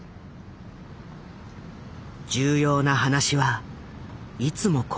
重要な話はいつもここだった。